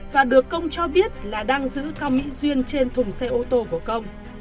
và được công cho biết là đang giữ cao mỹ duyên trên thùng xe ô tô của công